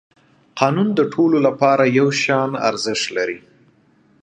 قانون د ټولو لپاره یو شان ارزښت لري